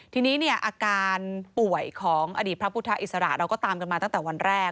ทีนี้เนี่ยอาการป่วยของอดีตพระพุทธอิสระเราก็ตามกันมาตั้งแต่วันแรก